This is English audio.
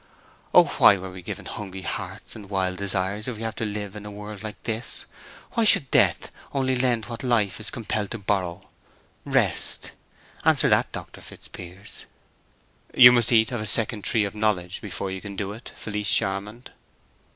Oh! why were we given hungry hearts and wild desires if we have to live in a world like this? Why should Death only lend what Life is compelled to borrow—rest? Answer that, Dr. Fitzpiers." "You must eat of a second tree of knowledge before you can do it, Felice Charmond."